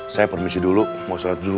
saya permisi dulu mau surat dulu